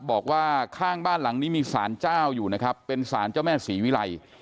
บอกว่าข้างบ้านหลังนี้มีสารเจ้าอยู่นะครับเป็นสารเจ้าแม่ศรีวิรัย